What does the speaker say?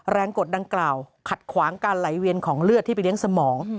กดดังกล่าวขัดขวางการไหลเวียนของเลือดที่ไปเลี้ยงสมอง